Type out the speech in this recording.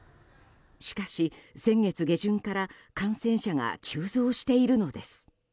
しかし、先月下旬から感染者が急増しているのです。